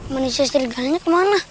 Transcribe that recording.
manisya serigalanya kemana